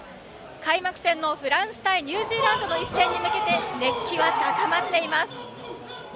開幕戦のフランス対ニュージーランドの一戦に向けて熱気が高まっています。